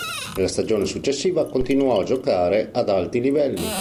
Nella stagione successiva continuò a giocare ad alti livelli.